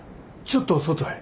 ちょっと外へ。